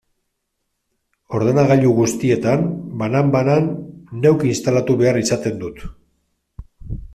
Ordenagailu guztietan, banan-banan, neuk instalatu behar izaten dut.